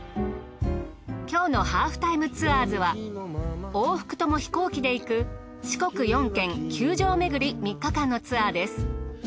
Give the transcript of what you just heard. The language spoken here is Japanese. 今日の『ハーフタイムツアーズ』は往復とも飛行機で行く四国４県９城めぐり３日間のツアーです。